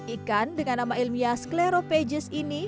ikan dengan nama ilmiah scleropages ini